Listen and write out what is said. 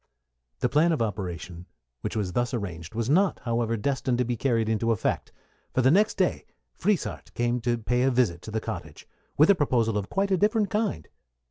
The plan of operations which was thus arranged was not, however, destined to be carried into effect, for the next day Frieshardt came to pay a visit to the cottage, with a proposal of quite a different kind.